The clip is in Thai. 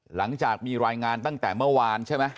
หลังจากมีรายงานตั้งแต่เมื่อวานใช่ไหม